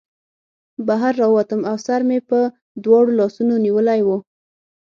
بهر راووتم او سر مې په دواړو لاسونو نیولی و